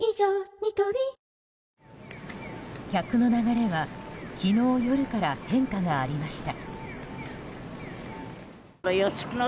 ニトリ客の流れは昨日夜から変化がありました。